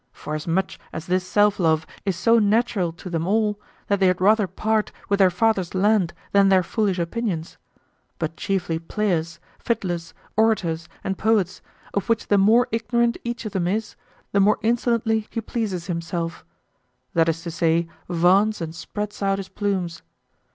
Forasmuch as this self love is so natural to them all that they had rather part with their father's land than their foolish opinions; but chiefly players, fiddlers, orators, and poets, of which the more ignorant each of them is, the more insolently he pleases himself, that is to say vaunts and spreads out his plumes.